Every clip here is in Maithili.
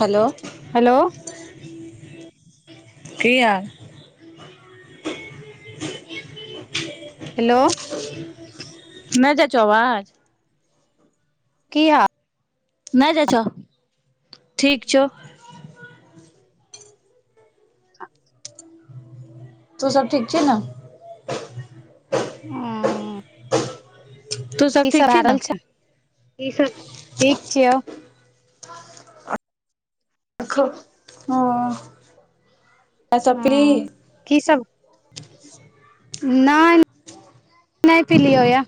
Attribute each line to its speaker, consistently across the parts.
Speaker 1: हेलो
Speaker 2: हेलो
Speaker 1: की हाल
Speaker 2: हेलो
Speaker 1: नय जाय छै अवाज
Speaker 2: की हा
Speaker 1: नय जाइ छौ ठीक छौ तू सब ठीक छी न
Speaker 2: [inaudible]
Speaker 1: तू सब
Speaker 2: की
Speaker 1: ठीक छी
Speaker 2: भए
Speaker 1: नऽ
Speaker 2: रहल छिओ
Speaker 1: [unintelligible] चाय सब पीली
Speaker 2: हँ की सब नय - नय पिलियौ यऽ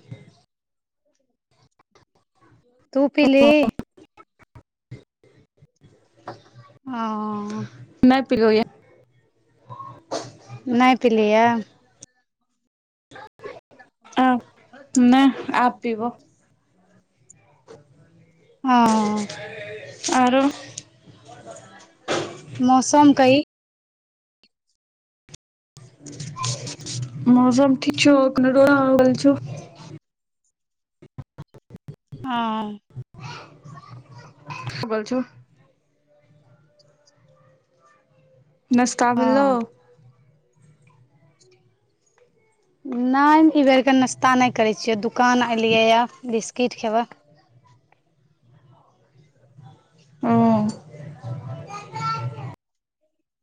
Speaker 2: तू पीली हँ अ
Speaker 1: नय पिलो य।
Speaker 2: नय पिलीयै
Speaker 1: आ नय आब पीबो।
Speaker 2: हँ
Speaker 1: आरो
Speaker 2: मौसम कही,
Speaker 1: [inaudible] मौसम ठीक छो अखन रोदा उगल छो
Speaker 2: [unintelligible]
Speaker 1: खुगल छो नसता
Speaker 2: ओ
Speaker 1: भेलो,
Speaker 2: नहि ई बेरके नाश्ता नहि करैत छियै दुकान एऐलियै बिस्किट खेबह।
Speaker 1: ओ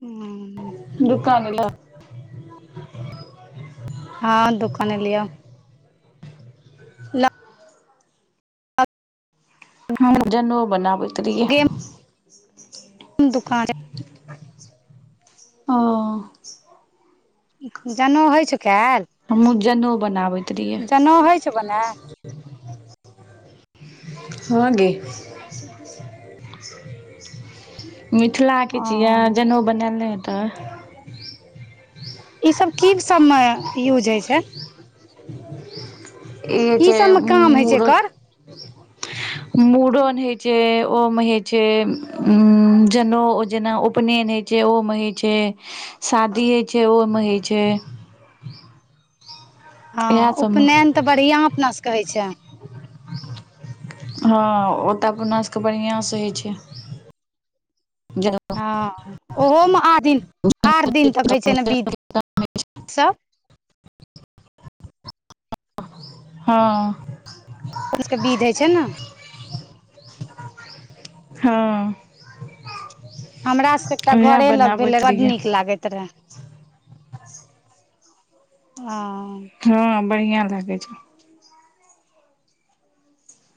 Speaker 2: हूँ
Speaker 1: दुकान अएला
Speaker 2: हँ दोकान अएलिओ ला
Speaker 1: हमहू जनेऊ बनाबैत रहिए।
Speaker 2: हम दुकान
Speaker 1: ओ
Speaker 2: जनेउ होइ छै काइल?
Speaker 1: हममु जनेऊ बनाबैत। रहियै
Speaker 2: जनेउ होइ छो बनेल?
Speaker 1: हँ गे
Speaker 2: [unintelligible]
Speaker 1: मिथिलाके छियै
Speaker 2: ओ
Speaker 1: जनेउ बनायल नहि हेतऽ।
Speaker 2: ई सब की सबमे यूज होइ छै?
Speaker 1: ई
Speaker 2: की
Speaker 1: छै
Speaker 2: सबमे काम होइ छै
Speaker 1: मूरह
Speaker 2: एकर
Speaker 1: [unintelligible] मूड़न होइ छै ओमे होइ छै जनेउ जेना उपनयन होइ छै। ओमे होइ छै शादी होइ छै ओमे होइ छै। इएह
Speaker 2: हँ
Speaker 1: सबमे
Speaker 2: उपनयन तऽ बढ़िआँ अपनासँ कऽ होय छैय
Speaker 1: हँ, ओ तऽ अपना सभके बढ़िआँसँ होइ छै। [unintelligible]
Speaker 2: हँ ओहोमे आ दिन आठ दिन तक होइ छै नऽ बिध, सब।
Speaker 1: हँ
Speaker 2: [unintelligible] बिध होइ छै नऽ
Speaker 1: हँ
Speaker 2: हमरा सब एकटा
Speaker 1: उएह
Speaker 2: घरे लग भेले
Speaker 1: बनाबैत
Speaker 2: बड
Speaker 1: रहियै
Speaker 2: नीक लागैत रहे। हां
Speaker 1: हँ, बढ़िया लागे छैय।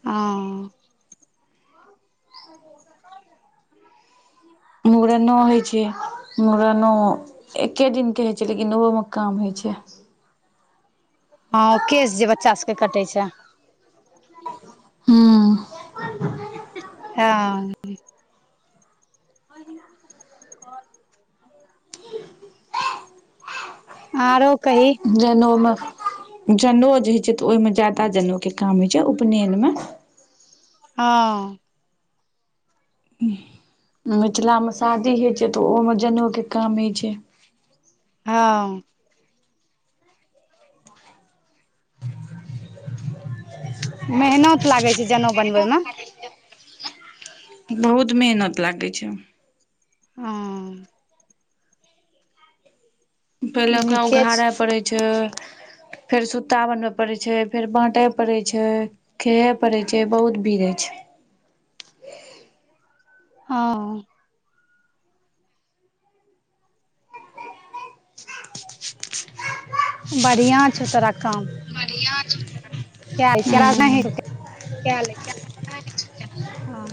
Speaker 2: हँ [inaudible]
Speaker 1: मुड़नो होय छै, मुड़नो एके दिन के। लेकिन ओहो मऽ काम होइ छै।
Speaker 2: हँ ओ केश जे बच्चा सबके कटै छैय।
Speaker 1: हू
Speaker 2: हँ [unintelligible] [unintelligible] आरो कहीं,
Speaker 1: जनेउमे जनेउ जे होइ छै तऽ ओहिमे ज्यादा जनेउके काम होइ छै उपनयनमे।
Speaker 2: हँ
Speaker 1: मिथिला मे शादी होइ छै तऽ ओहोमे जनेउ कऽ काम होइ छै।
Speaker 2: हँ मेहनत लागै छै जनेउ बनबय मे
Speaker 1: बहुत मेहनत लागै छै
Speaker 2: हँ
Speaker 1: पहिले ओकरा
Speaker 2: नीके छै
Speaker 1: उघाड़य पड़ै छै फेर सुता बनबय पड़ै छै फेर बाँटय पड़ै छै खेे पड़ैत छै बहुत भीड़ै छै
Speaker 2: हँ बढ़ियाँ छै तोरा काम
Speaker 1: [inaudible]
Speaker 2: क आइ छै राजज नहि [unintelligible]
Speaker 1: कायल
Speaker 2: होय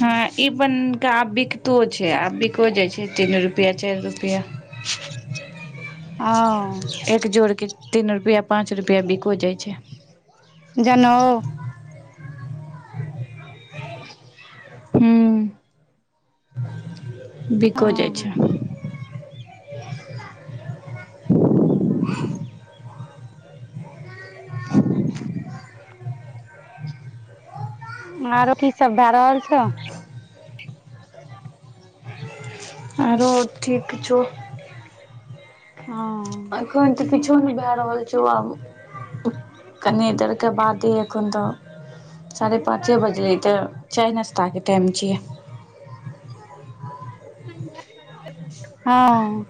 Speaker 1: हँ ई बन तऽ आब बिकतो छै आब बिको जाइ छै तीन रुपये चारि रुपये
Speaker 2: हँ
Speaker 1: एक जोड़के तीन रुपैया पाँच रुपैया बिको जाइ छै
Speaker 2: जनऊ
Speaker 1: हुँ बिको
Speaker 2: हँ
Speaker 1: जाइ छै।
Speaker 2: [inaudible] [inaudible]
Speaker 1: [inaudible]
Speaker 2: आरो की सब भए रहल छौ
Speaker 1: आरो ठीक छो।
Speaker 2: हँ
Speaker 1: एखन तऽ किछो नय भे रहल छौ, आब कनी देर के बादे एखन तऽ। साढ़े पाँचे बजे हय तऽ चाय नाश्ता के टाइम छियै।
Speaker 2: हँ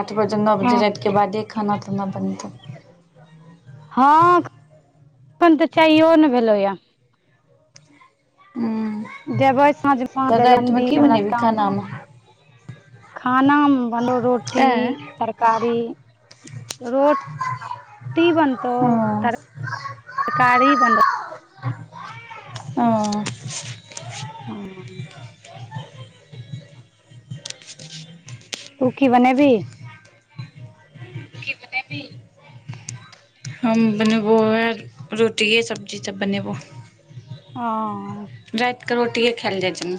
Speaker 1: आठ बजे नौ बजे राति के बादे खाना ताना बनतै।
Speaker 2: हँ एखन तऽ चाइओ नय भैलै ये।
Speaker 1: हुँ
Speaker 2: जेवै सांझ सांझ दैलै [unintelligible] दी हमरा
Speaker 1: बनेबही
Speaker 2: काम छै।
Speaker 1: खानामे
Speaker 2: खाना म बनलौ रोटी
Speaker 1: आँय
Speaker 2: तरकारी रोट। टी बनतौ
Speaker 1: हँ
Speaker 2: तर - तरकारी बन।
Speaker 1: ओ [inaudible]
Speaker 2: हँ तू कि बनेबही।
Speaker 1: [inaudible] हमहुँ बनैबो उहै रोटिए सब्जी सब बनैबौ।
Speaker 2: हँ
Speaker 1: राति कऽ रोटीए खाएल जाइ छै न।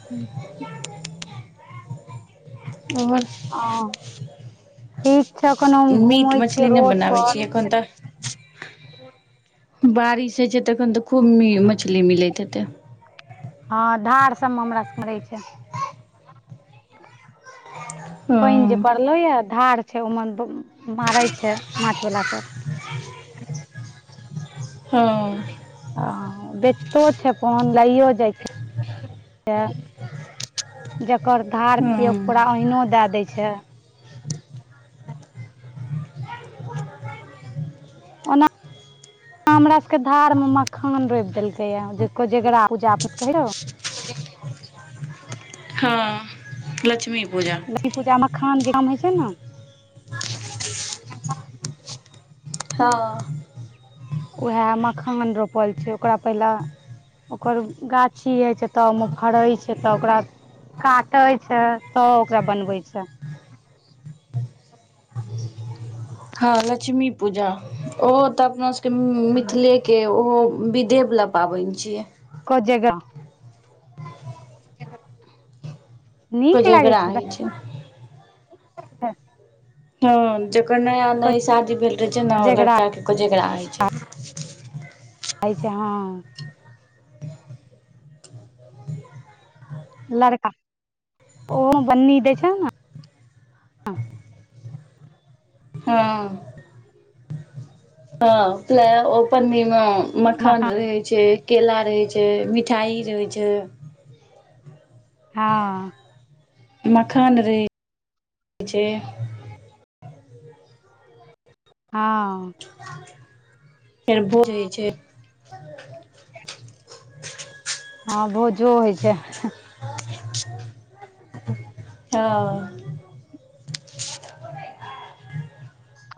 Speaker 2: [inaudible]
Speaker 1: ओर
Speaker 2: हँ ठिक छौ, अखन हम घुमय छियौ रोड पर।
Speaker 1: अखन तऽ बारिश हय छै तऽ तखन तऽ खूब मछली मिलैत हैतै।
Speaker 2: हा धार सब मे हमरा सब के रहैह छै। पाइन जे
Speaker 1: हँ
Speaker 2: परलैए आ धार छै उमहर मारैए छै माछ बाला सब।
Speaker 1: हँ
Speaker 2: हँ बेचतो छै अपन लइयो जाइ छै जकर धार छियै ओकरा
Speaker 1: हँ
Speaker 2: ओहिनो दए दै छै ओना हमरा सबके धार में मखान रोपि देलकै या जे कोजेगरा पूजा कहियौ
Speaker 1: हँ लक्ष्मी पूजा
Speaker 2: लक्ष्मी पूजा मे मखान कऽ काम होइ छै नऽ
Speaker 1: हँ
Speaker 2: उएह मखान रोपल छै ओकरा पहिले ओकर गाछी होइ छै तऽ ओहिमे फड़ैत छै तऽ ओकरा काटे छै तऽ ओकरा बनबै छैय
Speaker 1: हँ लक्ष्मी पूजा ओहो तऽ अपना सभके मिथिलेके ओहो विधे वला पाबनि छियै
Speaker 2: [unintelligible] नीक लागै
Speaker 1: कोजगरा
Speaker 2: छै
Speaker 1: होइ
Speaker 2: [unintelligible]
Speaker 1: हँ जकर नया नया शादी भेल रहै छै नऽ ओ
Speaker 2: कोजगरा
Speaker 1: लड़का के कोजगड़रा होइत छै
Speaker 2: [unintelligible] छै हँ लड़का ओहो बन्नी देै छै नऽ
Speaker 1: हँ [unintelligible] मखान
Speaker 2: मकान
Speaker 1: रहै छै केला रहै छै मिठाइ रहै छै
Speaker 2: हँ
Speaker 1: मखान रहै छै
Speaker 2: हँ
Speaker 1: फेर भोज होइ छै [unintelligible]
Speaker 2: हँ भोजो होइ छैय
Speaker 1: हँ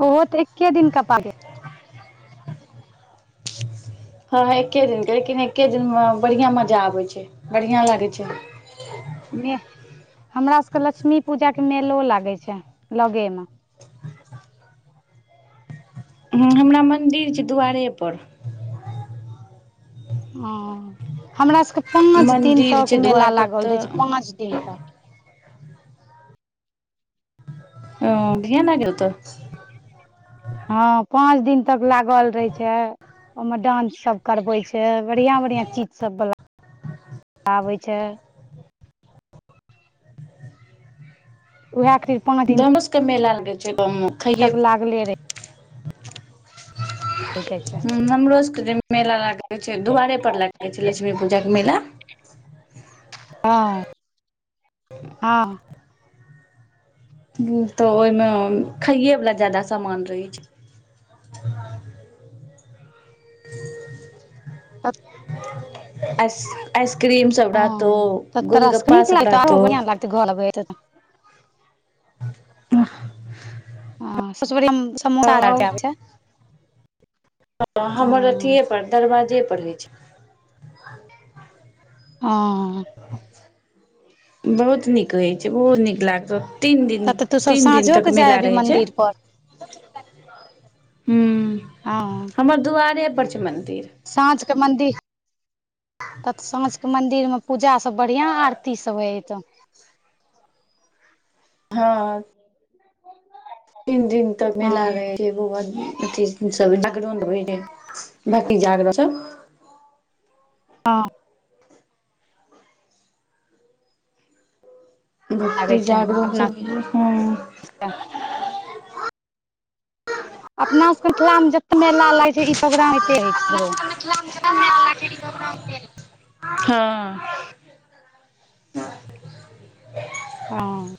Speaker 2: ओहो तऽ एक्े दिन कऽ [unintelligible]
Speaker 1: हँ हँ एके दििने लेकिन एक्े दिनमे बढ़िआं मजा आबैत छै बढ़िआं लागै छै
Speaker 2: मे हमरा सबके लक्ष्मी पूजाके मेलो लागैत छै लगेमऽ
Speaker 1: हू हमरा मन्दिर छै दुआरे पर
Speaker 2: ओ हमरा सबके पाँच दिन
Speaker 1: मन्दिर
Speaker 2: तक
Speaker 1: छै
Speaker 2: मेला
Speaker 1: दुआर पर
Speaker 2: लागल
Speaker 1: तऽ
Speaker 2: रहै छै पाँच दिन तक
Speaker 1: ओ [unintelligible]
Speaker 2: हँ पाँच दिन तक लागल रहे छै ओमे डानंस सब करवे छै बढ़िआँ बढ़िआँ चीज सब बला आबै छैय उएह [unintelligible]
Speaker 1: [unintelligible] कऽ मेला लगै छै गाँं मऽ
Speaker 2: तक लागले रहै जाइ छै
Speaker 1: हू हमरो सबके जे मेला लागै छै दुआारे पर लागे छै लक्ष्मी पूजा कऽ मेला
Speaker 2: हँ हँ
Speaker 1: तऽ ओहिमे खाइेवला ज्यदा सामान रहै छै [inaudible]
Speaker 2: अत [inaudible]
Speaker 1: आस आइसक्रीम सब रहतो
Speaker 2: हँ तऽ तोरा सबके
Speaker 1: गोलगप्पा
Speaker 2: नीक
Speaker 1: सब
Speaker 2: लागतौ आरो
Speaker 1: रहतो
Speaker 2: बढ़ियां घर लागतै बैत तऽ
Speaker 1: तऽ [inaudible]
Speaker 2: हँ सबस बढियाँ म
Speaker 1: तब हमर
Speaker 2: हँ
Speaker 1: अथिए पर दरवाजे पर होइ छै
Speaker 2: हँ
Speaker 1: बहुत नीक होैइ छै। ओहो नीक लागतौ। तीन दिन,
Speaker 2: तब तऽ तू सब
Speaker 1: तीन दिन
Speaker 2: साँझो
Speaker 1: तक
Speaker 2: के जाय
Speaker 1: मेला
Speaker 2: अबही
Speaker 1: रहै छै।
Speaker 2: मंदिर पर
Speaker 1: हुँ
Speaker 2: हँ
Speaker 1: हमर दुआरे पर छै मन्दिर।
Speaker 2: साँझ के मन्दिर तब तऽ साँझ के मंदिर में पूजा सब बढ़ियाँ आरती सब हो हय तऽ।
Speaker 1: हँ तीन दिन तक
Speaker 2: हँ
Speaker 1: मेला रहै अथ सबैउंड हो रह बकी जाग सब [unintelligible]
Speaker 2: हँ लागै
Speaker 1: भक्ति
Speaker 2: छै
Speaker 1: जागरण
Speaker 2: अपना
Speaker 1: सब हँ
Speaker 2: सबके अपना सबके मिथिला मे जते मेला लागै छै। ई प्रोग्राम होते रहै छै शुरू।
Speaker 1: हँ [unintelligible]
Speaker 2: हँ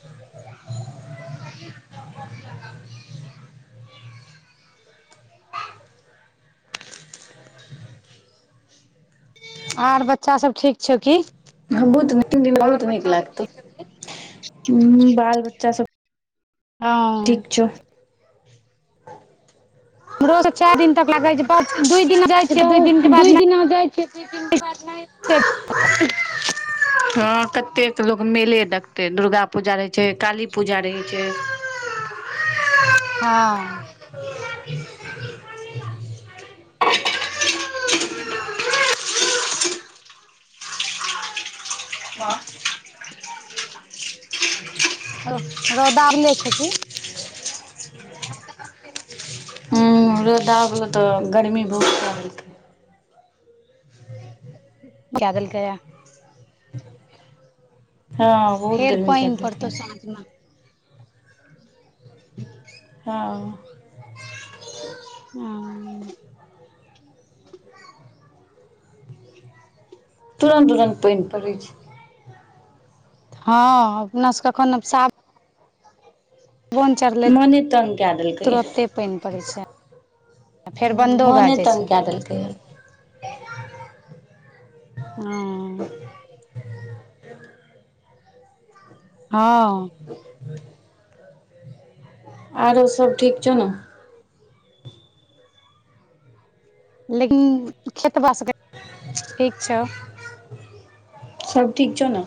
Speaker 2: आर बच्चा सभ ठीक छौ की?
Speaker 1: बहुत नीक दु [unintelligible] दिन बहुत नीक लागतै। बाल बच्चा सब
Speaker 2: हँ
Speaker 1: ठीक छौ
Speaker 2: रोज [unintelligible] चारि दिन तक लागै छै ब दू दिन जाइ छियै दू दिननक के बाद
Speaker 1: [inaudible] हँ कतेक लोक मेले देखतै दुर्गा पूजा रहै छै काली पूजा रहै छै
Speaker 2: हँ
Speaker 1: [inaudible] [inaudible]
Speaker 2: रौ रौदा उगले छौ की
Speaker 1: हुँ रौदा उगलौ तऽ गर्मी बहुत क [unintelligible] तै
Speaker 2: के देलकै ये
Speaker 1: हँ बहुत गर्मी के देलकै ये
Speaker 2: सांझमे
Speaker 1: हँ
Speaker 2: [inaudible]
Speaker 1: तुरन्त तुरन्त पानि पड़ै छै
Speaker 2: हँ अपना सबके एखन आब सा चढ़ले
Speaker 1: मने तंग कै देलकै
Speaker 2: तुरते पानि पड़ै छै फेर
Speaker 1: हुँ
Speaker 2: बन्दो भए
Speaker 1: मोने
Speaker 2: जाइ
Speaker 1: तंग
Speaker 2: छै
Speaker 1: कए देलकै ये
Speaker 2: हँ हँ
Speaker 1: [inaudible] आरो सब ठीक छौ न।
Speaker 2: लेकिन खेत बासके ठीक छौ
Speaker 1: सबब ठीक छौ ने